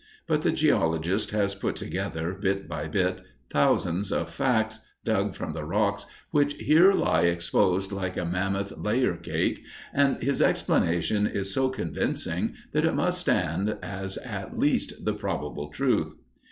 But the geologist has put together, bit by bit, thousands of facts, dug from the rocks which here lie exposed like a mammoth layer cake and his explanation is so convincing that it must stand as at least the probable truth.